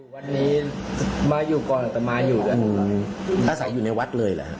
วันนี้มาอยู่ก่อนแต่มาอยู่กันอาศัยอยู่ในวัดเลยแหละครับ